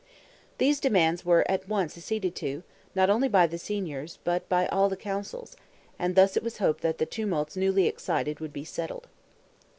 These demands were at once acceded to, not only by the Signors, but by all the Councils; and thus it was hoped the tumults newly excited would be settled.